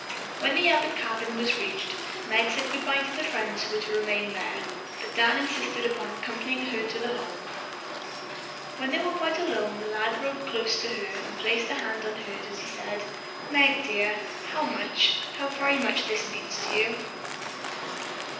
When the Abbott cabin was reached, Meg said goodbye to the friends who were to remain there, but Dan insisted upon accompanying her to her home. When they were quite alone the lad rode close to her, and placed a hand on hers as he said, "Meg, dear, how much, how very much this means to you."